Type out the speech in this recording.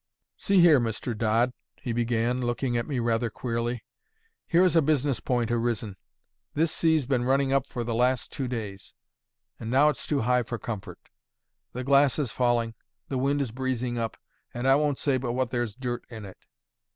"See here, Mr. Dodd," he began, looking at me rather queerly, "here is a business point arisen. This sea's been running up for the last two days, and now it's too high for comfort. The glass is falling, the wind is breezing up, and I won't say but what there's dirt in it.